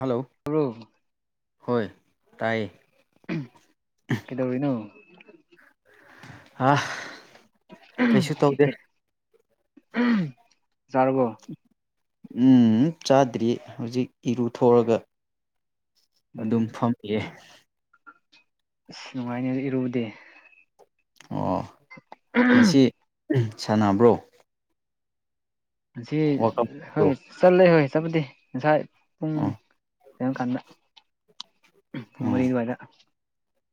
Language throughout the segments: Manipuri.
ꯍꯜꯂꯣ ꯁꯨꯛ ꯍꯣꯏ ꯇꯥꯏꯌꯦ ꯀꯩꯗꯧꯔꯤꯅꯣ ꯑ ꯀꯩꯁꯨ ꯇꯧꯗꯦ ꯇꯥꯔꯕꯣ ꯎꯝ ꯆꯥꯗ꯭ꯔꯤ ꯍꯧꯖꯤꯛ ꯏꯔꯨꯊ ꯊꯣꯛꯑꯒ ꯎꯝ ꯑꯗꯨꯝ ꯐꯝꯃꯤꯌꯦ ꯑꯁ ꯅꯨꯡꯉꯥꯏꯅꯦ ꯏꯔꯨꯗꯦ ꯑꯣ ꯉꯁꯤ ꯁꯥꯟꯅꯕ꯭ꯔꯣ ꯑꯁꯤ ꯋꯥꯀꯞ ꯍꯣꯏ ꯕ꯭ꯔꯣ ꯆꯠꯂꯦ ꯍꯣꯏ ꯆꯠꯄꯗꯤ ꯉꯁꯥꯏ ꯄꯨꯡ ꯑꯣ ꯀꯩꯅꯣ ꯀꯥꯟꯗ ꯄꯨꯡ ꯑꯣ ꯃꯔꯤ ꯑꯗꯨꯋꯥꯏꯗ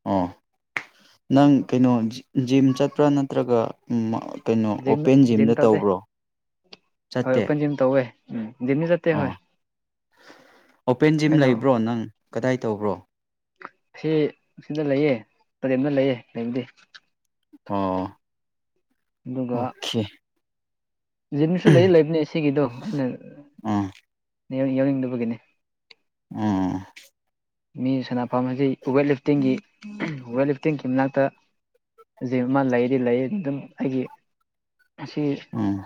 ꯑꯣ ꯅꯪ ꯀꯩꯅꯣ ꯖꯤꯝ ꯆꯠꯄ꯭ꯔꯥ ꯅꯠꯇ꯭ꯔꯒ ꯀꯩꯅꯣ ꯖꯤꯝ ꯑꯣꯄꯦꯟ ꯖꯤꯝ ꯖꯤꯝꯗ ꯇꯧꯗꯦ ꯇꯧꯕ꯭ꯔꯣ ꯍꯣꯏ ꯆꯠꯇꯦ ꯑꯣꯄꯟ ꯖꯤꯝ ꯇꯧꯋꯦ ꯑꯣ ꯍꯣꯏ ꯑꯣꯄꯦꯟ ꯖꯤꯝ ꯑꯩꯅ ꯂꯩꯕ꯭ꯔꯣ ꯅꯪ ꯀꯗꯥꯏ ꯇꯧꯕ꯭ꯔꯣ ꯁꯤ ꯗ ꯂꯩꯌꯦ ꯔꯦꯟꯗ ꯂꯩꯌꯦ ꯂꯩꯕꯨꯗꯤ ꯑꯣ ꯑꯗꯨꯒ ꯑꯣꯀꯦ ꯖꯤꯝꯁꯨ ꯂꯩ ꯂꯩꯕꯅꯦ ꯁꯤꯒꯤꯗꯣ ꯑꯩꯅ ꯑꯣ ꯌꯥꯎꯅꯤꯡꯗꯕꯒꯤꯅꯦ ꯎꯝ ꯃꯤ ꯁꯟꯅꯐꯝ ꯑꯁꯤ ꯋꯦꯠ ꯂꯤꯐꯇꯤꯡꯒꯤ ꯋꯦꯠ ꯂꯤꯐꯇꯤꯡꯒꯤ ꯃꯅꯥꯛꯇ [unintelligible] ꯂꯩꯗꯤ ꯂꯩ ꯑꯗꯨꯝ ꯑꯩꯒꯤ ꯑꯁꯤ ꯎꯝ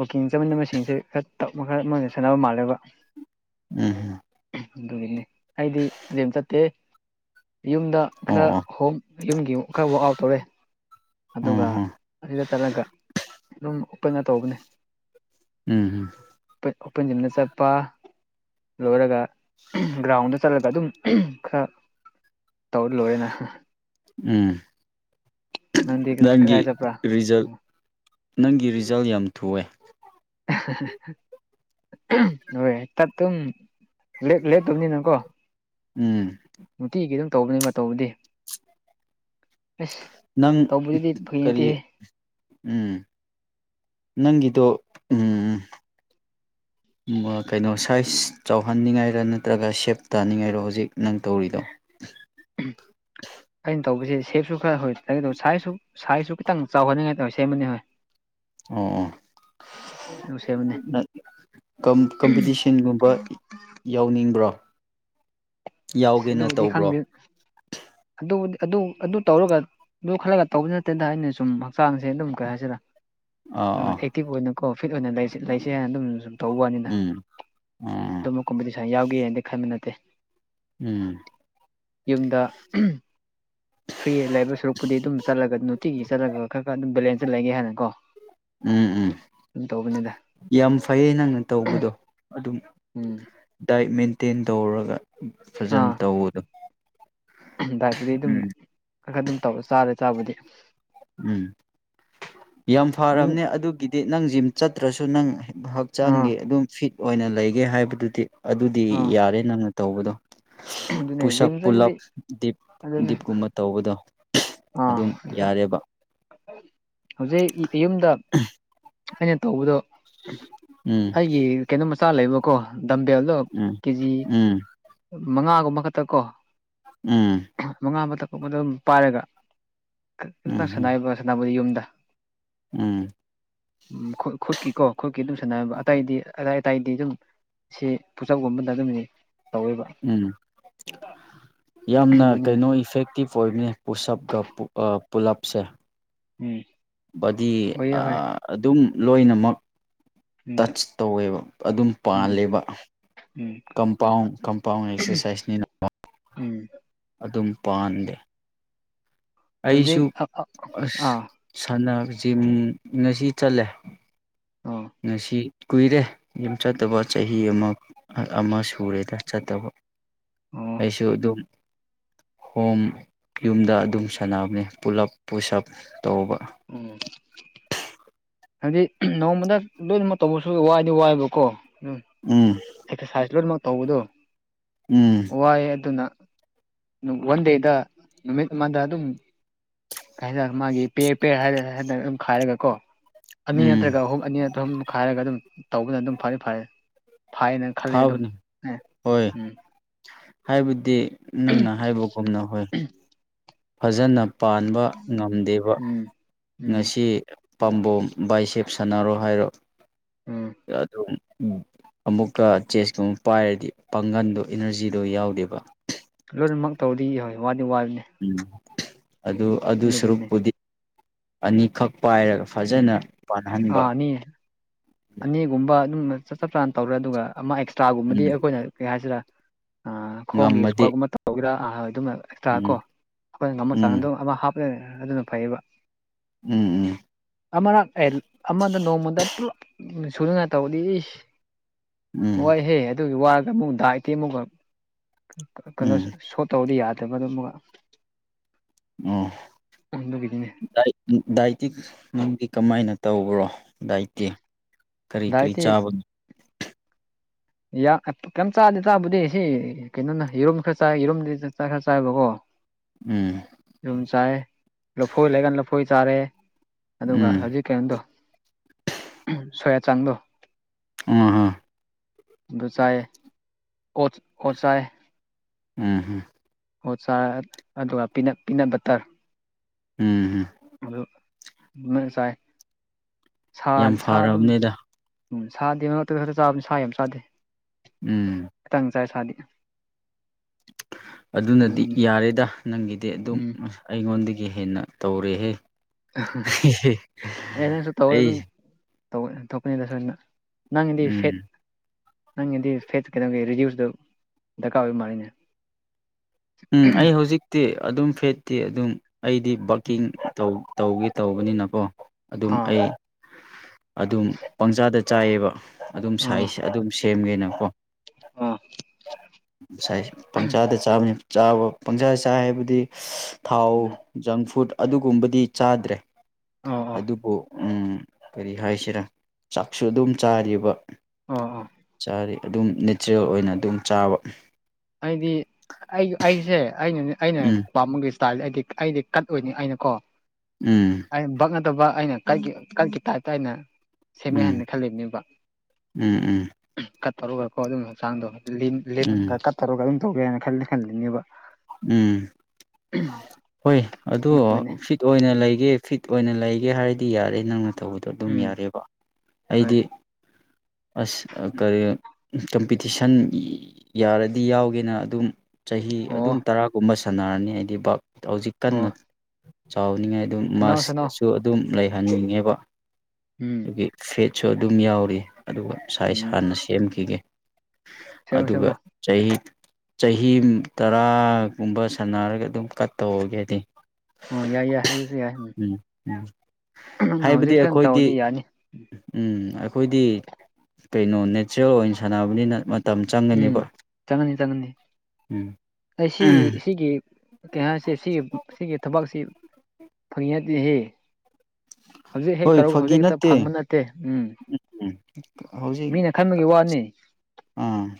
ꯋꯥꯛꯀꯤꯡ ꯆꯠꯃꯤꯟꯕꯁꯤꯡꯁꯦ ꯈꯔꯞ ꯈꯔ ꯃꯣꯏꯒꯥ ꯁꯥꯟꯅꯕ ꯃꯥꯜꯂꯦꯕ ꯎꯝ ꯑꯗꯨꯒꯤꯅꯤ ꯑꯩꯗꯤ ꯖꯤꯝ ꯆꯠꯇꯦꯍꯦ ꯌꯨꯝꯗ ꯑꯣ ꯈꯔ ꯑꯣ ꯍꯣꯝ ꯌꯨꯝꯒꯤꯃꯨꯛ ꯈꯔ ꯋꯥꯛ ꯑꯥꯎꯠ ꯇꯧꯔꯦ ꯑꯗꯨꯒ ꯎꯝ ꯑꯗꯨꯗ ꯆꯠꯂꯒ ꯑꯗꯨꯝ ꯀꯩꯅꯣ ꯇꯧꯕꯅꯦ ꯎꯝ ꯎꯝ ꯄꯟ ꯑꯣꯄꯟ ꯖꯤꯝꯗ ꯆꯠꯄ ꯂꯣꯏꯔꯒ ꯒ꯭ꯔꯥꯎꯟꯗ ꯆꯠꯂꯒ ꯑꯗꯨꯝ ꯈꯔ ꯇꯧ ꯂꯣꯏꯅ ꯎꯝ ꯅꯪꯗꯤ ꯅꯪꯒꯤ ꯀꯗꯥꯏ ꯆꯠꯄ꯭ꯔꯥ ꯔꯤꯖꯜ ꯅꯪꯒꯤ ꯔꯤꯖꯜ ꯌꯥꯝ ꯊꯨꯑꯦ [inaudible] ꯍꯣꯏ ꯇꯠꯇꯝ ꯂꯦꯛ ꯂꯦꯞꯇꯕꯅꯤꯅ ꯀꯣ ꯎꯝ ꯅꯨꯡꯇꯤꯒꯤ ꯑꯗꯨꯝ ꯇꯧꯕꯅꯦꯕ ꯇꯧꯕꯗꯤ ꯑꯁ ꯅꯪ ꯇꯧꯕꯗꯨꯗꯤ ꯐꯒꯤ ꯅꯠꯇꯦꯍꯦ ꯀꯔꯤ ꯎꯝ ꯅꯪꯒꯤꯗꯣ ꯎꯝ ꯎꯝ ꯑ ꯀꯩꯅꯣꯁꯦ ꯁꯥꯏꯖ ꯆꯥꯎꯍꯟꯅꯤꯡꯉꯥꯏꯔ ꯅꯠꯇ꯭ꯔꯒ ꯁꯦꯞ ꯇꯥꯅꯤꯡꯉꯥꯏꯔꯣ ꯍꯧꯖꯤꯛ ꯅꯪ ꯇꯧꯔꯤꯗꯣ ꯑꯩꯅ ꯇꯧꯕꯁꯦ ꯁꯦꯞꯁꯨ ꯈꯔ ꯍꯣꯏ ꯁꯥꯏꯖꯁꯨ ꯁꯥꯏꯖꯁꯨ ꯈꯤꯇꯪ ꯆꯥꯎꯍꯟꯅꯤꯡꯉꯥꯏ ꯇꯧꯋꯦ ꯁꯦꯝꯕꯅꯤ ꯍꯣꯏ ꯑꯣ ꯑꯗꯨ ꯁꯦꯝꯕꯅꯦ ꯀꯝ ꯀꯝꯄꯤꯇꯤꯁꯟꯒꯨꯝꯕ ꯌꯥꯎꯅꯤꯡꯕ꯭ꯔꯣ ꯌꯥꯎꯒꯦꯅ ꯑꯗꯨꯕꯨꯗꯤ ꯇꯧꯕ꯭ꯔꯣ ꯈꯪꯗꯦ ꯑꯗꯨꯕꯨꯗꯤ ꯑꯗꯨ ꯑꯗꯨ ꯇꯧꯔꯒ ꯑꯗꯨ ꯈꯜꯂꯒ ꯇꯧꯕ ꯅꯠꯇꯦꯗ ꯑꯩꯅ ꯁꯨꯝ ꯍꯛꯆꯥꯡꯁꯦ ꯑꯗꯨꯝ ꯀꯩ ꯍꯥꯏꯁꯤꯔ ꯑꯥ ꯑꯥ ꯑꯦꯛꯇꯤꯚ ꯑꯣꯏꯅꯀꯣ ꯐꯤꯠ ꯑꯣꯏꯅ ꯂꯩꯁꯦ ꯂꯩꯁꯦ ꯍꯥꯏꯅ ꯑꯗꯨꯝ ꯁꯨꯝ ꯇꯧꯋꯥꯅꯤꯗ ꯎꯝ [inaudible] ꯑꯗꯨꯝꯕ ꯀꯝꯄꯤꯇꯤꯁꯟ ꯌꯥꯎꯒꯦꯅꯗꯤ ꯈꯟꯕꯅꯠꯇꯦ ꯎꯝ ꯌꯨꯝꯗ [unintelligible] ꯐ꯭ꯔꯤ ꯂꯩꯕ ꯁꯔꯨꯛꯄꯨꯗꯤ ꯑꯗꯨꯝ ꯆꯠꯂꯒ ꯅꯨꯡꯇꯤꯒꯤ ꯆꯠꯂꯒ ꯈꯔ ꯈꯔ ꯑꯗꯨ ꯕꯦꯂꯦꯟꯁꯦ ꯂꯩꯒꯦ ꯍꯥꯏꯅ ꯀꯣ ꯎꯝ ꯎꯝ ꯌꯥꯝ ꯐꯩꯌꯦ ꯅꯪꯅ ꯇꯧꯕꯗꯣ ꯑꯗꯨꯝ ꯎꯝ ꯗꯥꯏꯠ ꯃꯦꯟꯇꯦꯟ ꯇꯧꯔꯒ ꯐꯖꯟ ꯑꯥ ꯇꯧꯑꯣ ꯑꯗꯣ ꯗꯥꯏꯠꯄꯨꯗꯤ ꯑꯗꯨꯝ ꯎꯝ ꯈꯔ ꯈꯔ ꯑꯗꯨꯝ ꯇꯧꯔ ꯆꯥꯔꯦ ꯆꯥꯕꯗꯤ ꯎꯝ ꯌꯥꯝ ꯃꯤ ꯐꯔꯝꯅꯦ ꯑꯗꯨꯒꯤ ꯗꯤ ꯅꯪ ꯖꯤꯝ ꯆꯠꯇ꯭ꯔꯁꯨ ꯅꯪ ꯑꯥ ꯍꯛꯆꯥꯡꯒꯤ ꯑꯗꯨꯝ ꯐꯤꯠ ꯑꯣꯏꯅ ꯂꯩꯒꯦ ꯍꯥꯏꯕꯗꯨꯗꯤ ꯑꯗꯨꯗꯤ ꯑꯥ ꯌꯥꯔꯦ ꯅꯪꯅ ꯇꯧꯕꯗꯣ ꯑꯗꯨꯅꯦ ꯄꯨꯁꯞ ꯖꯤꯝ ꯆꯠꯂꯗꯤ ꯄꯨꯜꯂꯞ ꯗꯤꯞ ꯑꯗꯨꯅꯦ ꯗꯤꯞꯀꯨꯝꯕ ꯇꯧꯕꯗꯣ ꯑꯥ ꯑꯗꯨꯝ ꯌꯥꯔꯦꯕ ꯍꯧꯖꯤꯛ [unintelligible] ꯌꯨꯝꯗ ꯑꯩꯅ ꯇꯧꯕꯗꯣ ꯎꯝ ꯑꯩꯒꯤ ꯀꯩꯅꯣ ꯃꯆꯥ ꯂꯩꯕꯀꯣ ꯗꯝꯕꯦꯜꯗꯣ ꯎꯝ ꯀꯦꯖꯤ ꯎꯝ ꯃꯉꯥꯒꯨꯝꯕ ꯈꯛꯇ ꯀꯣ ꯎꯝ ꯃꯉꯥ ꯑꯃ [unintelligible] ꯄꯥꯏꯔꯒ ꯈꯟꯅꯥ ꯎꯝ ꯁꯟꯅꯩꯕ ꯁꯥꯅꯕꯨꯗꯤ ꯌꯨꯝꯗ ꯎꯝ ꯎꯝ ꯈꯨ ꯈꯨꯠꯀꯤꯀꯣ ꯈꯨꯠꯀꯤ ꯑꯗꯨꯝ ꯁꯥꯟꯅꯕ ꯑꯇꯩꯗꯤ ꯑꯇꯩꯇꯩꯗꯤ ꯑꯗꯨꯝ ꯁꯤ ꯄꯨꯁꯞꯀꯨꯝꯕꯗ ꯑꯗꯨꯝꯅꯤ ꯇꯧꯋꯦꯕ ꯎꯝ ꯌꯥꯝꯅ ꯂꯣꯏꯅꯅ ꯀꯩꯅꯣ ꯏꯐꯦꯛꯇꯤꯞ ꯐꯣꯏꯕꯅꯦ ꯄꯨꯁꯞ ꯀ ꯑꯥ ꯄꯨꯜꯂꯞꯁꯦ ꯎꯝ ꯕꯗꯤ ꯑꯣꯏꯌꯦ ꯍꯣꯏ ꯑꯗꯨꯝ ꯂꯣꯏꯅꯃꯛ ꯎꯝ ꯇꯆ ꯇꯧꯋꯦꯕ ꯑꯗꯨꯝ ꯎꯝ ꯄꯥꯜꯂꯦꯕ ꯎꯝ ꯀꯝꯄꯥꯎꯟ ꯀꯝꯄꯥꯎꯟ ꯑꯦꯛꯁꯔꯁꯥꯏꯁꯅꯤꯅ ꯎꯝ ꯑꯗꯨꯝ ꯄꯥꯟꯗꯦ ꯍꯧꯖꯤꯛ ꯑꯩꯁꯨ ꯑꯥ ꯑꯁ ꯑꯥ ꯁꯥꯟꯁꯤꯝ ꯉꯁꯤ ꯆꯠꯂꯦ ꯑꯥ ꯉꯁꯤ ꯀꯨꯏꯔꯦ ꯌꯨꯝ ꯆꯠꯇꯕ ꯆꯍꯤ ꯑꯃ ꯑꯃ ꯁꯨꯔꯦꯗ ꯆꯠꯇꯕ ꯎꯝ ꯑꯩꯁꯨ ꯑꯗꯨꯝ ꯍꯣꯝ ꯌꯨꯝꯗ ꯑꯗꯨꯝ ꯁꯥꯟꯅꯕꯅꯦ ꯄꯨꯂꯞ ꯄꯨꯁꯞ ꯇꯧꯕ ꯎꯝ ꯍꯥꯏꯗꯤ ꯅꯣꯡꯃꯗ ꯂꯣꯏꯅꯃꯛ ꯇꯧꯕꯁꯨ ꯋꯥꯏꯗꯤ ꯋꯥꯏꯕꯀꯣ ꯎꯝ ꯎꯝ ꯑꯦꯛꯁꯔꯁꯥꯏꯖ ꯂꯣꯏꯅꯃꯛ ꯇꯧꯕꯗꯣ ꯎꯝ ꯋꯥꯏꯑꯦ ꯑꯗꯨꯅ ꯋꯥꯟ ꯗꯦꯗ ꯅꯨꯃꯤꯠ ꯑꯃꯗ ꯑꯗꯨꯝ ꯍꯟꯗꯛ ꯃꯥꯒꯤ ꯄꯦꯔ ꯄꯦꯔ ꯍꯥꯏꯗ ꯍꯟꯗꯛ ꯑꯗꯨꯝ ꯈꯥꯏꯔꯒ ꯀꯣ ꯑꯅꯤ ꯎꯝ ꯅꯠꯇ꯭ꯔꯒ ꯑꯍꯨꯝ ꯑꯅꯤ ꯑꯗꯨꯍꯨꯝ ꯈꯥꯏꯔꯒ ꯑꯗꯨꯝ ꯇꯧꯕꯅ ꯑꯗꯨꯝ ꯐꯔ ꯐꯔ ꯐꯥꯏꯅ ꯈꯜꯂꯤ ꯑꯗꯨꯝ ꯐꯥꯕꯅꯤ ꯍꯣꯏ ꯎꯝ ꯍꯥꯏꯕꯗꯤ ꯅꯪꯅ ꯍꯥꯏꯕꯒꯨꯝꯅ ꯍꯣꯏ ꯐꯖꯅ ꯄꯥꯟꯕ ꯉꯝꯗꯦꯕ ꯎꯝ ꯎꯝ ꯉꯁꯤ ꯄꯥꯝꯕꯣꯝ ꯕꯥꯏꯁꯦꯞ ꯁꯥꯟꯅꯔꯣ ꯍꯥꯏꯔꯣ ꯎꯝ ꯑꯗꯨꯝ ꯎ ꯑꯃꯨꯛꯀ ꯆꯦꯁꯀꯨꯝꯕ ꯄꯥꯏꯔꯗꯤ ꯄꯥꯡꯒꯟꯗꯣ ꯏꯅꯔꯖꯤꯗꯣ ꯌꯥꯎꯗꯦꯕ ꯂꯣꯏꯅꯃꯛ ꯇꯧꯗꯤ ꯌꯥꯍꯣꯏ ꯋꯥꯅꯤ ꯋꯥꯕꯅꯦ ꯎꯝ ꯑꯗꯨ ꯑꯗꯨ ꯑꯗꯨꯒꯤꯅꯦ ꯁꯔꯨꯛꯄꯨꯗꯤ ꯑꯅꯤꯈꯛ ꯄꯥꯏꯔꯒ ꯎꯝ ꯐꯖꯅ ꯄꯥꯟꯅꯍꯟꯕ ꯑꯥ ꯑꯅꯤ ꯑꯅꯤꯒꯨꯝꯕ ꯑꯗꯨꯝ ꯆꯞ ꯆꯞ ꯆꯥꯅ ꯇꯧꯔꯦ ꯑꯗꯨꯒ ꯑꯃ ꯑꯦꯛꯁꯇ꯭ꯔꯥꯒꯨꯝꯕꯗꯤ ꯎꯝ ꯑꯩꯈꯣꯏꯅ ꯀꯩ ꯍꯥꯏꯁꯤꯔꯥ ꯑ ꯈꯣꯡꯒꯤ ꯉꯝꯃꯗꯤ ꯁꯀꯒꯨꯝꯕ ꯇꯧꯒꯦꯔꯥ ꯑꯗꯨꯝ ꯑꯦꯛꯁꯇ꯭ꯔꯥ ꯀꯣ ꯎꯝ ꯑꯩꯈꯣꯏꯅ ꯉꯝꯝꯕꯜ ꯆꯥꯡ ꯎꯝ ꯑꯗꯨ ꯑꯃ ꯍꯥꯞꯂꯦ ꯑꯗꯨꯅ ꯐꯩꯌꯦꯕ ꯎꯝ ꯎꯝ ꯑꯃꯅꯛ ꯑꯦ ꯑꯃꯗ ꯅꯣꯡꯃꯗ ꯄꯨꯜꯂꯞ ꯁꯨꯗꯉꯥꯏ ꯇꯧꯗꯤ ꯎꯝ ꯋꯥꯏꯍꯦ ꯑꯗꯨꯒꯤ ꯋꯥꯔꯒ ꯑꯃꯨꯛ ꯗꯥꯏꯇꯦ ꯑꯃꯨꯛ ꯀꯩꯅꯣ ꯎꯝ ꯎꯝ ꯁꯣꯠ ꯇꯧꯕꯗꯤ ꯌꯥꯗꯕ ꯑꯗꯨ ꯑꯃꯒ ꯎꯝꯥꯏ ꯗꯥꯏꯇꯤ ꯅꯪꯗꯤ ꯀꯃꯥꯏꯅ ꯇꯧꯕ꯭ꯔꯣ ꯗꯥꯏꯇꯤ ꯀꯔꯤ ꯀꯔꯤ ꯗꯥꯏꯠꯇꯤ ꯆꯥꯕꯅꯣ ꯌꯥ ꯀꯆꯥ ꯂꯤꯇꯥ ꯨꯙꯦꯍꯤ ꯀꯩꯅꯣ ꯌꯦꯔꯨꯝ ꯈꯔ ꯆꯥꯏ ꯌꯦꯔꯨꯝꯗꯤ ꯆ ꯆꯥ ꯈꯔ ꯆꯥꯏꯕꯀꯣ ꯎꯝ ꯌꯨꯝ ꯆꯥꯏ ꯂꯐꯣꯏ ꯂꯩꯒꯥꯟ ꯂꯐꯣꯏ ꯆꯥꯔꯦ ꯑꯗꯨꯒ ꯎꯝ ꯍꯧꯖꯤꯛ ꯀꯩꯅꯣꯗꯣ ꯁꯣꯌꯥ ꯆꯥꯡꯗꯣ ꯑꯍ ꯑꯗꯨ ꯆꯥꯏ ꯀꯣꯠ ꯀꯣꯠꯆꯥꯏ ꯎꯝꯝ ꯑꯣ ꯆꯥ ꯑꯗꯨꯒ ꯄꯤꯅ ꯄꯤꯅ ꯕꯇꯔ ꯎꯝ ꯍꯝ ꯑꯗꯨꯟꯅ ꯆꯥꯏ ꯁꯥ ꯌꯥꯝ ꯁꯥ ꯑꯗꯨꯝ ꯐꯔꯕꯅꯦꯗ ꯎꯝ ꯁꯥꯗꯦ ꯃꯔꯛꯇ ꯈꯛꯇ ꯆꯥꯕꯅꯤ ꯁꯥ ꯌꯥꯝ ꯆꯥꯗꯦ ꯎꯝ ꯇꯪ ꯆꯥꯏ ꯁꯥꯗꯤ ꯑꯗꯨꯅꯗꯤ ꯑꯗꯨꯅꯤ ꯌꯥꯔꯦꯗ ꯅꯪꯒꯤꯗꯤ ꯑꯗꯨꯝ ꯎꯝ ꯑꯩꯉꯣꯟꯗꯒꯤ ꯍꯦꯟꯅ ꯇꯧꯔꯦꯍꯦ ꯑꯦꯅꯁꯨ ꯇꯧꯔ ꯑꯩ ꯑꯗꯨ ꯊꯣꯛꯄꯅꯤꯗꯁꯨ ꯅꯪꯗꯤ ꯎꯝ ꯐꯦꯠ ꯅꯪꯒꯤꯗꯤ ꯐꯦꯠꯁ ꯀꯩꯩꯅꯧꯒꯤ ꯔꯤꯗ꯭ꯌꯨꯁꯇ ꯗꯔꯀꯥꯔ ꯑꯣꯏꯕ ꯃꯥꯜꯂꯤꯅꯦ ꯎꯝ ꯑꯩ ꯍꯧꯖꯤꯛꯇꯤ ꯑꯗꯨꯝ ꯐꯦꯠꯇꯦ ꯑꯗꯨꯝ ꯑꯩꯗꯤ ꯎꯝ ꯕꯥꯛꯀꯤꯡ ꯇꯧ ꯇꯧꯒ ꯇꯧꯕꯅꯤꯅꯀꯣ ꯑꯗꯨꯝ ꯑꯥ ꯑꯩ ꯑꯗꯨꯝ ꯄꯪꯖꯥꯗ ꯆꯥꯏꯌꯦꯕ ꯑꯗꯨꯝ ꯑꯣ ꯁꯥꯏꯖ ꯑꯗꯨꯝ ꯁꯦꯝꯒꯦꯅꯀꯣ ꯑꯥ ꯉꯁꯥꯏ ꯄꯪꯆꯥꯗ ꯆꯥꯕꯅꯤ ꯆꯥꯕ ꯄꯪꯁꯥ ꯆꯥ ꯍꯥꯏꯕꯗꯤ ꯊꯥꯎ ꯎꯝ ꯖꯪ ꯐꯨꯗ ꯑꯗꯨꯒꯨꯝꯕꯗꯤ ꯆꯥꯗ꯭ꯔꯦ ꯑꯣ ꯑꯣ ꯑꯗꯨꯕꯨ ꯎꯝ ꯀꯔꯤ ꯍꯥꯏꯁꯤꯔꯥ ꯆꯥꯛꯁꯨ ꯑꯗꯨꯝ ꯆꯥꯔꯤꯕ ꯑꯥ ꯑꯥ ꯆꯥꯔꯦ ꯑꯗꯨꯝ ꯃꯦꯆꯤꯑꯣꯔ ꯑꯣꯏꯅ ꯑꯗꯨꯝ ꯆꯥꯕ ꯍꯥꯏꯗꯤ ꯑꯩ ꯑꯩꯁꯦ ꯑꯩꯅ ꯑꯩꯅ ꯎꯝ ꯄꯥꯃꯨꯡꯒꯤ ꯏꯁꯇꯥꯏꯜꯁ ꯑꯩꯗꯤ ꯑꯩꯗꯤ ꯀꯠ ꯑꯣꯏꯅꯤ ꯑꯩꯅ ꯀꯣ ꯎꯝ ꯑꯩꯅ ꯕꯛꯅꯗꯕ ꯑꯩꯅ ꯀ ꯀꯒꯤ ꯇꯥꯏꯞꯇ ꯑꯩꯅ ꯁꯦꯝꯃꯦ ꯎꯝ ꯍꯥꯏꯅ ꯈꯜꯂꯤꯝꯅꯤꯕ ꯎꯝ ꯎꯝ ꯀꯠ ꯇꯧꯔꯒꯀꯣ ꯑꯗꯨꯝꯕ ꯍꯛꯆꯥꯡꯗꯣ ꯎꯝ ꯀꯠ ꯇꯧꯔꯒ ꯑꯗꯨꯝ ꯇꯧꯒꯦ ꯍꯥꯏꯅ ꯈ ꯈꯟꯜꯂꯤꯅꯦꯕ ꯎꯝ ꯍꯣꯏ ꯑꯣ ꯑꯗꯨꯒꯅꯦ ꯐꯤꯠ ꯑꯣꯏꯅ ꯎꯝ ꯂꯩꯒꯦ ꯐꯤꯠ ꯑꯣꯏꯅ ꯂꯩꯒꯦ ꯍꯥꯏꯔꯗꯤ ꯌꯥꯔꯦ ꯅꯪꯅ ꯇꯧꯕꯗꯣ ꯑꯗꯨꯝ ꯎꯝ ꯌꯥꯔꯦꯕ ꯍꯣꯏ ꯑꯩꯗꯤ ꯑꯁ ꯀꯔꯤ ꯀꯝꯄꯤꯇꯤꯁꯟ ꯌꯥꯔꯗꯤ ꯌꯥꯎꯒꯦꯅ ꯑꯗꯨꯝ ꯆꯍꯤ ꯑꯣ ꯑꯗꯨꯝ ꯇꯔꯥꯒꯨꯝꯕ ꯁꯥꯟꯅꯔꯅꯤ ꯍꯥꯏꯗꯤ ꯕꯥ ꯍꯧꯖꯤꯛ ꯑꯣ ꯀꯟꯅ ꯆꯥꯎꯅꯤꯡꯉꯥꯏ ꯑꯗꯨꯝ ꯁꯥꯟꯅꯧ ꯁꯥꯟꯅꯧ ꯃꯁꯇꯁꯨ ꯑꯗꯨꯝ ꯂꯩꯍꯟꯅꯤꯡꯉꯦꯕ ꯎꯝ ꯑꯗꯒꯤ ꯐꯦꯠꯁꯨ ꯑꯗꯨꯝ ꯌꯥꯎꯔꯤ ꯑꯗꯨꯒ ꯁꯥꯏꯖ ꯎꯝ ꯍꯥꯟꯅ ꯁꯦꯝꯈꯤꯒꯦ ꯁꯦꯝꯃꯣ ꯑꯗꯨꯒ ꯁꯦꯝꯃꯣ ꯆꯍꯤ ꯆꯍꯤ ꯇꯔꯥ ꯀꯨꯝꯕ ꯁꯥꯟꯅꯔꯒ ꯑꯗꯨꯝ ꯀꯠ ꯇꯧꯍꯒꯦꯗꯤ ꯑꯣ ꯌꯥꯏ ꯌꯥꯏ ꯑꯗꯨꯁꯨ ꯌꯥꯏ ꯎꯝ ꯎꯝ ꯍꯥꯏꯕꯗꯤ ꯍꯧꯖꯤꯛꯇ ꯑꯩꯈꯣꯏꯗꯤ ꯇꯧꯔꯗꯤ ꯌꯥꯅꯤ ꯎꯝ ꯑꯩꯈꯣꯏꯗꯤ ꯀꯩꯅꯣ ꯅꯦꯆꯔꯦꯜ ꯑꯣꯏꯅ ꯁꯥꯟꯅꯕꯅꯤꯅ ꯃꯇꯝ ꯎꯝ ꯆꯪꯒꯅꯦꯕ ꯆꯪꯉꯅꯤ ꯆꯪꯉꯅꯤ ꯎꯝ ꯁꯤ ꯁꯤꯒꯤ ꯀꯩ ꯍꯥꯏꯁꯤꯦ ꯁꯤꯒꯤ ꯁꯤꯒꯤ ꯊꯕꯛꯁꯤ ꯐꯪꯉꯉꯗꯦ ꯍꯧꯖꯤꯛ ꯍꯦꯛ ꯍꯣꯏ ꯇꯧꯔꯒ ꯐꯥꯒꯤ ꯍꯧꯖꯤꯛ ꯍꯦꯛꯇ ꯅꯠꯇꯦ ꯐꯪꯕ ꯅꯠꯇꯦ ꯎꯝ ꯃꯤꯅ ꯈꯟꯕꯒꯤ ꯋꯥꯅꯤ ꯎꯝ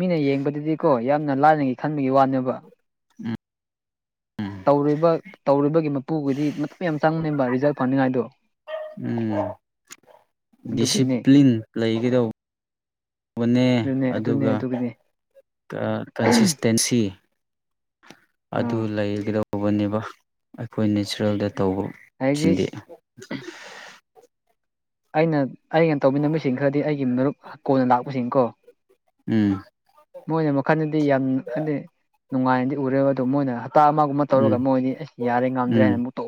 ꯃꯤꯅ ꯌꯦꯡꯕꯗꯨꯗꯤꯀꯣ ꯌꯥꯝꯅ ꯂꯥꯏꯅꯒꯤ ꯈꯟꯕꯒꯤ ꯋꯥꯅꯦꯕ ꯎꯝ ꯇꯧꯔꯤꯕ ꯇꯧꯔꯤꯕꯒꯤ ꯃꯄꯨꯒꯤꯗꯤ ꯃꯇꯝ ꯌꯥꯝ ꯆꯪꯅꯦꯕ ꯔꯤꯖꯜ ꯐꯅꯤꯡꯉꯥꯏꯗꯣ ꯎꯝ ꯑꯗꯨꯒꯤꯅꯦ ꯗꯤꯁꯤꯄ꯭ꯂꯤꯟ ꯂꯩꯒꯗꯧꯕ ꯑꯣꯅꯦ ꯑꯗꯨꯅꯦ ꯑꯗꯨꯅꯦ ꯑꯗꯨꯒ ꯑꯗꯨꯒꯤꯅꯦ ꯀꯟꯁꯤꯁꯇꯦꯟꯁꯤ ꯑꯗꯨ ꯑꯥ ꯂꯩꯒꯗꯧꯕꯅꯦꯕ ꯑꯩꯈꯣꯏ ꯅꯦꯆꯔꯦꯜꯗ ꯍꯧꯖꯤꯛ ꯇꯧꯕꯁꯤꯡꯗꯤ [unintelligible] ꯑꯩꯅ ꯑꯩꯅ ꯇꯧꯃꯤꯟꯅꯃꯤꯁꯤꯡ ꯈꯔꯗꯤ ꯑꯩꯒꯤ ꯃꯔꯨꯞ ꯀꯣꯟꯅ ꯂꯥꯛꯄꯁꯤꯡꯀꯣ ꯎꯝ ꯃꯣꯏꯅ ꯃꯈꯟꯗꯗꯤ ꯌꯥꯝ ꯍꯥꯏꯗꯤ ꯅꯨꯡꯉꯥꯏꯅꯗꯤ ꯎꯔꯦꯕ ꯑꯗꯣ ꯃꯣꯏꯅ ꯍꯞꯇꯥ ꯑꯃꯒꯨꯝꯕ ꯇꯧꯔꯒ ꯎꯝ ꯃꯣꯏꯗꯤ ꯑꯁ ꯌꯥꯔꯦ ꯉꯝꯗ꯭ꯔꯦ ꯎꯝ ꯍꯥꯏꯅ ꯑꯃꯨꯛ ꯇ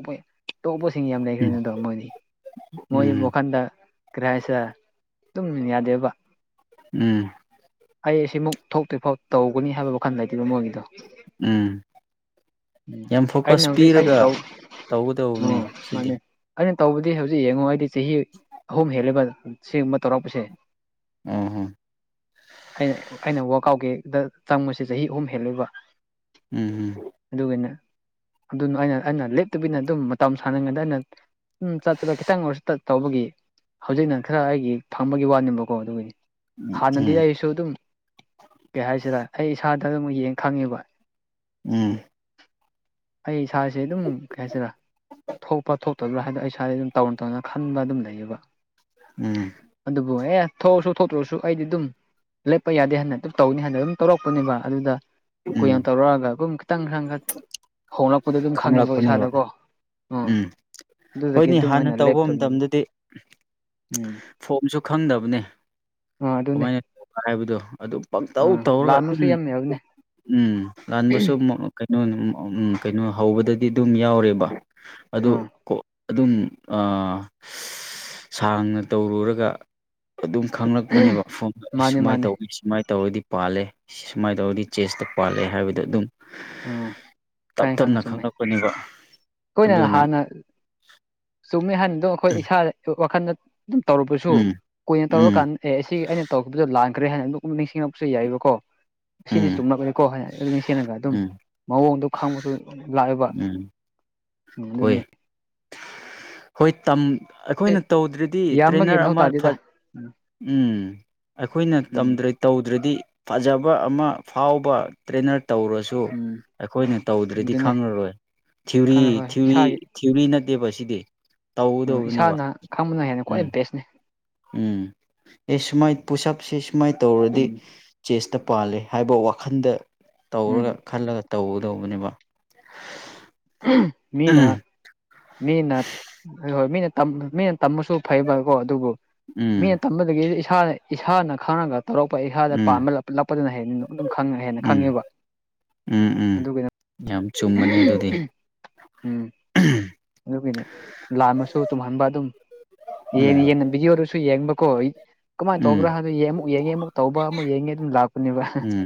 ꯇꯣꯛꯄꯁꯤꯡ ꯌꯥꯝ ꯎꯝ ꯂꯩꯈ꯭ꯔꯦꯅ ꯑꯗꯣ ꯃꯣꯏꯗꯤ ꯎꯝ ꯑꯩꯟꯗ ꯀ꯭ꯔꯤ ꯍꯥꯏꯁꯤꯔꯥ ꯑꯗꯨꯝ ꯌꯥꯗꯦꯕ ꯎꯝ ꯑꯩ ꯑꯁꯤꯃꯨꯛ ꯊꯣꯛꯇ꯭ꯣꯏꯐꯥꯎ ꯇꯧꯒꯅꯤ ꯍꯥꯏꯕ ꯋꯥꯈꯜ ꯂꯩꯇꯦꯕ ꯃꯣꯏꯒꯤꯗꯣ ꯎꯝ ꯎꯝ ꯌꯥꯝ ꯐꯣꯀꯁ ꯑꯩꯅ ꯍꯧꯖꯤꯛ ꯑꯩꯅ ꯄꯤꯔꯒ ꯇꯧ ꯇꯧꯒꯗꯧꯕꯅꯦ ꯎꯝ ꯁꯤꯗꯤ ꯃꯥꯅꯦ ꯑꯩꯅ ꯇꯧꯕꯗꯤ ꯍꯧꯖꯤꯛ ꯌꯦꯡꯉꯨ ꯍꯥꯏꯗꯤ ꯆꯍꯤ ꯑꯍꯨꯝ ꯍꯦꯜꯂꯦꯕ ꯁꯤꯒꯨꯝꯕ ꯇꯧꯔꯛꯄꯁꯦ ꯑꯣ ꯍꯣ ꯑꯩꯅ ꯑꯩꯅ ꯋꯥ ꯀꯥꯎꯒꯦꯗ ꯆꯪꯕꯁꯦ ꯆꯍꯤ ꯑꯍꯨꯝ ꯍꯦꯜꯂꯣꯏꯕ ꯎꯝ ꯑꯗꯨꯒꯅ ꯑꯗꯨꯅ ꯑꯩꯅ ꯑꯩꯅ ꯂꯦꯞꯇꯕꯤꯅ ꯑꯗꯨꯝ ꯃꯇꯝ ꯁꯥꯟꯅꯉꯗ ꯑꯩꯅ ꯆꯠ ꯆꯂ ꯈꯤꯇꯪ ꯑꯣꯏꯔꯁꯨ ꯇꯧꯕꯒꯤ ꯍꯧꯖꯤꯛꯅ ꯈꯔ ꯑꯩꯒꯤ ꯐꯪꯕꯒꯤ ꯋꯥꯅꯤꯡꯕꯀꯣ ꯑꯗꯨꯒꯤꯅꯤ ꯎꯝ ꯍꯥꯟꯅꯗꯤ ꯎꯝ ꯑꯩꯁꯨ ꯑꯗꯨꯝ ꯀꯩ ꯍꯥꯏꯁꯤꯔ ꯑꯩ ꯏꯁꯥꯗ ꯑꯗꯨꯝ ꯌꯦꯡ ꯈꯪꯉꯦꯕ ꯎꯝ ꯑꯩ ꯏꯁꯥꯁꯦ ꯑꯗꯨꯝ ꯀꯩ ꯍꯥꯏꯁꯤꯔ ꯊꯣꯛꯄ꯭ꯔꯥ ꯊꯣꯛꯇꯕ꯭ꯔꯥ ꯍꯥꯏꯕꯗꯣ ꯑꯩ ꯏꯁꯥꯗ ꯑꯗꯨꯝ ꯇꯧꯅ ꯇꯧꯅ ꯈꯟꯕ ꯑꯗꯨꯝ ꯂꯩꯌꯦꯕ ꯎꯝ ꯑꯗꯨꯕꯨ ꯑꯦ ꯊꯣꯛꯑꯁꯨ ꯊꯣꯛꯇ꯭ꯔꯨꯔꯁꯨ ꯑꯩꯗꯤ ꯑꯗꯨꯝ ꯂꯦꯞꯄ ꯌꯥꯗꯦ ꯍꯥꯏꯅ ꯑꯗꯨꯞ ꯇꯧꯅꯤ ꯍꯥꯏꯅ ꯑꯗꯨꯝ ꯇꯧꯔꯛꯄꯅꯦꯕ ꯑꯗꯨꯗ ꯎꯝ ꯀꯨꯌꯥꯟ ꯇꯧꯔꯛꯑꯒ ꯑꯗꯨꯨꯝ ꯈꯤꯇꯪ ꯪ ꯍꯣꯡꯂꯛꯄꯗꯣ ꯑꯗꯨꯝ ꯈꯪꯉꯤꯕꯣ ꯈꯪꯂꯛꯄꯅꯦꯕ ꯏꯁꯥꯗꯀꯣ ꯎꯝ ꯑꯗꯨꯗꯒꯤ ꯍꯣꯏꯅꯦ ꯑꯗꯨꯝ ꯍꯥꯟꯅ ꯑꯩꯅ ꯂꯦꯞ ꯇꯧꯕ ꯃꯇꯝꯗꯗꯤ ꯐꯣꯝꯁꯨ ꯈꯪꯗꯕꯅꯦ ꯑꯥ ꯑꯗꯨꯅꯦ ꯀꯃꯥꯏꯅ ꯇ ꯍꯥꯏꯕꯗꯣ ꯑꯗꯨꯝ ꯄꯪꯇꯧ ꯑꯥ ꯇꯧꯔꯒ ꯑꯗꯨꯝ ꯂꯥꯟꯕꯁꯨ ꯌꯥꯝ ꯌꯥꯎꯕꯅꯦ ꯎꯝ ꯂꯥꯟꯕꯕꯁꯨ ꯀꯩꯅꯣ ꯎꯝ ꯀꯩꯅꯣ ꯍꯧꯕꯗꯗꯤ ꯑꯗꯨꯝ ꯌꯥꯎꯔꯦꯕ ꯑꯗꯣ ꯑꯥ ꯀꯣ ꯑꯗꯨꯝ ꯁꯥꯡꯅ ꯇꯧꯔꯨꯔꯒ ꯑꯗꯨꯝ ꯈꯪꯂꯛꯄꯅꯦꯕ ꯐꯣꯟ ꯑꯩ ꯃꯥꯅꯦ ꯁꯨꯃꯥꯏꯅ ꯃꯥꯅꯦ ꯇꯧꯋꯤ ꯁꯨꯃꯥꯏꯅ ꯇꯧꯔꯗꯤ ꯄꯥꯜꯂꯦ ꯁꯨꯃꯥꯏꯅ ꯇꯧꯔꯗꯤ ꯆꯦꯁꯇ ꯄꯥꯜꯂꯦ ꯍꯥꯏꯕꯗꯣ ꯑꯗꯨꯝ ꯑꯥ ꯇꯞ ꯈꯪꯉꯦ ꯈꯪꯉꯦ ꯇꯞꯅ ꯆꯨꯝꯃꯦ ꯈꯪꯂꯛꯄꯅꯦꯕ ꯑꯩꯈꯣꯏꯅ ꯑꯗꯨꯅ ꯍꯥꯟꯅ ꯆꯨꯝꯃꯦ ꯍꯥꯏꯅꯗꯣ ꯑꯩꯈꯣꯏ ꯏꯁꯥꯗ ꯋꯥꯈꯜꯗ ꯑꯗꯨꯝ ꯇꯧꯔꯨꯕꯁꯨ ꯎꯝ ꯀꯨꯏꯅ ꯎꯝ ꯇꯧꯔꯀꯥꯟꯗ ꯑꯦ ꯑꯁꯤ ꯑꯩꯅ ꯇꯧꯈꯤꯕꯗꯣ ꯂꯥꯟꯈ꯭ꯔꯦ ꯍꯥꯏꯅ ꯑꯃꯨꯛ ꯅꯤꯡꯁꯤꯡꯂꯛꯄꯁꯨ ꯌꯥꯏꯌꯦꯕꯀꯣ ꯑꯁꯤꯗꯤ ꯎꯝ ꯇꯨꯝꯂꯛꯈꯅꯤꯀꯣ ꯍꯥꯏꯗꯤ ꯑꯗꯨꯝ ꯁꯦꯂꯒ ꯑꯗꯨꯝ ꯎꯝ ꯃꯑꯣꯡꯗꯣ ꯈꯪꯕꯁꯨ ꯂꯥꯛꯏꯕ ꯎꯝ ꯍꯣꯏ ꯑꯗꯨꯃꯤ ꯑꯩꯈꯣꯏꯅ ꯇꯧꯗ꯭ꯔꯗꯤ ꯌꯥꯝꯕꯒꯤ ꯇ꯭ꯔꯦꯟꯅꯔ ꯃꯊꯧ ꯑꯃ ꯐ ꯇꯥꯗꯦꯗ ꯎꯝ ꯎꯝ ꯑꯩꯈꯣꯏꯅ ꯎꯝ ꯇꯝꯗ꯭ꯔꯦ ꯇꯧꯗ꯭ꯔꯗꯤ ꯐꯖꯕ ꯑꯃ ꯐꯥꯎꯕ ꯇ꯭ꯔꯦꯅꯔ ꯇꯧꯔꯁꯨ ꯇꯨ ꯎꯝ ꯑꯩꯈꯣꯏꯅ ꯇꯧꯗ꯭ꯔꯗꯤ ꯑꯗꯨꯅꯦ ꯈꯪꯂꯉꯔꯣꯏ ꯊꯤꯎꯔꯤ ꯈꯪꯉꯦ ꯍꯣꯏ ꯊꯤꯎꯔꯤ ꯏꯁꯥꯒꯤ ꯊꯤꯌꯨꯔꯤ ꯅꯠꯇꯦ ꯁꯤꯗꯤ ꯎꯝ ꯇꯧꯒꯗꯧꯕꯅꯦꯕ ꯏꯁꯥꯅ ꯈꯪꯕꯅ ꯍꯦꯟꯅ ꯈ꯭ꯋꯥꯏ ꯎꯝ ꯕꯦꯁꯅꯤ ꯎꯝ ꯑꯦ ꯁꯨꯃꯥꯏ ꯄꯨꯁꯞꯁꯦ ꯁꯨꯃꯥꯏꯅ ꯇꯧꯔꯗꯤ ꯎꯝ ꯆꯦꯁꯇ ꯄꯥꯜꯂꯤꯦ ꯍꯥꯏꯕ ꯋꯥꯈꯟꯗ ꯎꯝ ꯇꯧꯔꯒ ꯈꯜꯂꯒ ꯇꯧꯒꯗꯧꯕꯅꯦꯕ ꯃꯤꯅꯥ ꯎꯝ ꯃꯤꯅ ꯍꯣꯏ ꯃꯤꯅ ꯃꯤꯅ ꯇꯝꯕꯁꯨ ꯐꯩꯕꯀꯣ ꯑꯗꯨꯕꯨ ꯃꯤꯅ ꯎꯝ ꯇꯝꯕꯗꯒꯤ ꯏꯁꯥꯅ ꯏꯁꯥꯅ ꯈꯥꯡꯉꯒ ꯇꯧꯔꯛꯄ ꯑꯩꯍꯥꯗ ꯎꯝ ꯄꯥꯟꯕꯥ ꯂꯛꯄꯗꯅ ꯍꯦꯟꯅ ꯑꯗꯨꯝ ꯍꯦꯟꯅ ꯎꯝ ꯈꯪꯉꯦꯕ ꯎꯝ ꯎꯝ ꯑꯗꯨꯅ ꯌꯥꯝ ꯆꯨꯝꯕꯅꯦ ꯑꯗꯨꯗꯤ ꯑꯗꯨꯒꯤꯅꯦ ꯂꯥꯟ ꯃꯁꯨ ꯇꯨꯝꯍꯟꯕ ꯑꯗꯨꯝ ꯌꯦꯟ ꯎꯝ ꯌꯦꯟꯅ ꯚꯤꯗꯤꯌꯣꯗꯨꯁꯨ ꯌꯦꯡꯕꯀꯣ ꯀꯃꯥꯏꯅ ꯎꯝ ꯇꯧꯕ꯭ꯔꯥ ꯍꯥꯏ ꯑꯃꯨꯛ ꯌꯦꯡꯉꯦ ꯑꯃꯨꯛ ꯇꯧꯕ ꯑꯃꯨꯛ ꯌꯦꯡꯉꯦ ꯑꯗꯨꯝ ꯂꯥꯛꯄꯅꯦꯕ ꯎꯝ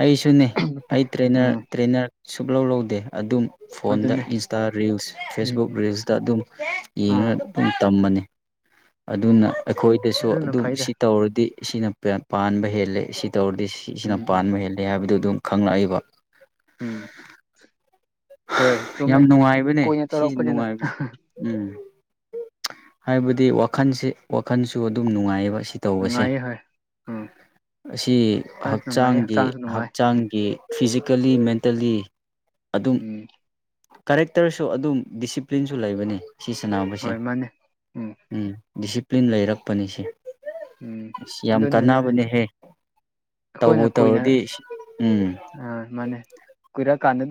ꯑꯩꯁꯨꯅꯦ ꯑꯩ ꯇꯦ ꯎꯝ ꯇ꯭ꯔꯦꯅꯔ ꯁꯨꯞꯛ ꯂꯧꯧ ꯂꯧꯗꯦ ꯑꯗꯨꯝ ꯐꯣꯟꯗ ꯑꯗꯨꯅꯦ ꯏꯟꯁꯇꯥ ꯔꯤꯜꯁ ꯎꯝ ꯐꯦꯁꯕꯨꯛ ꯎꯝ ꯔꯤꯜꯁꯇ ꯑꯗꯨꯝ ꯑꯥ ꯌꯦꯡꯉꯒ ꯑꯗꯨꯝ ꯇꯝꯕꯅꯤ ꯎꯝ ꯑꯗꯨꯅ ꯑꯩꯈꯣꯏꯗꯁꯨ ꯑꯗꯨꯅ ꯑꯗꯨꯝ ꯐꯩꯗ ꯁꯤ ꯇꯧꯔꯗꯤ ꯁꯤꯅ ꯄꯥꯟꯕ ꯍꯦꯜꯂꯦ ꯁꯤ ꯇꯧꯔꯗꯤ ꯁꯤ ꯁꯤꯅ ꯎꯝ ꯎꯝ ꯄꯥꯟꯕ ꯍꯦꯜꯂꯦ ꯍꯥꯏꯕꯗꯨ ꯑꯗꯨꯝ ꯈꯪꯂꯛꯏꯕ ꯎꯝ ꯍꯣꯏ ꯆꯨꯝꯃꯦ ꯌꯥꯝ ꯅꯨꯡꯉꯥꯏꯕꯅꯦ ꯀꯨꯏꯅ ꯁꯤꯁꯤ ꯇꯧꯔꯛꯄꯅꯤꯅ ꯅꯨꯡꯉꯥꯏꯕꯁꯦ ꯎꯝ ꯍꯥꯏꯕꯗꯤ ꯋꯥꯈꯜꯁꯦ ꯋꯥꯈꯜꯁꯨ ꯑꯗꯨꯝ ꯅꯨꯡꯉꯥꯏꯑꯕ ꯁꯤ ꯇꯧꯕꯁꯦ ꯅꯨꯡꯉꯥꯏꯌꯦ ꯍꯣꯏ ꯎꯝ ꯑꯁꯤ ꯀꯥꯟꯁꯨ ꯅꯨꯡꯉꯥꯏꯌꯦ ꯍꯛꯆꯥꯡꯒꯤ ꯍꯛꯆꯥꯡꯁꯨ ꯅꯨꯡꯉꯥꯏ ꯎꯝ ꯍꯛꯆꯥꯡꯒꯤ ꯐꯤꯖꯤꯀꯦꯜꯂꯤ ꯃꯦꯟꯇꯦꯜꯂꯤ ꯑꯗꯨꯝ ꯎꯝ ꯀꯔꯦꯛꯇꯔꯁꯨ ꯑꯗꯨꯝ ꯗꯤꯁꯤꯄ꯭ꯂꯤꯟꯁꯨ ꯂꯩꯕꯅꯤ ꯁꯤ ꯁꯥꯟꯅꯕꯁꯦ ꯍꯣꯏ ꯃꯥꯅꯦ ꯎꯝ ꯗꯤꯁꯤꯄ꯭ꯂꯤꯟ ꯂꯩꯔꯛꯄꯅꯤ ꯁꯤꯦ ꯎꯝ ꯑ ꯌꯥꯝ ꯑꯗꯨꯅꯦ ꯑꯗꯨꯅꯦ ꯀꯥꯟꯅꯕꯅꯦꯍꯦ ꯇꯧꯕꯨ ꯇꯧꯔꯗꯤ ꯎꯝ ꯑ ꯃꯅꯦ ꯀꯨꯔꯛ ꯑ ꯀꯥꯟꯅꯗ ꯑꯗꯨꯝ